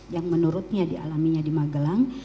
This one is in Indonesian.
yang menurutnya dialaminya di magelang